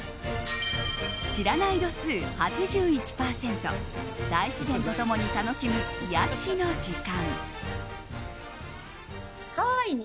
知らない度数８１％大自然と共に楽しむ癒やしの時間。